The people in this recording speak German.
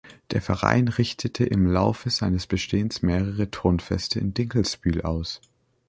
Der Verein richtete im Laufe seines Bestehens mehrere Turnfeste in Dinkelsbühl aus.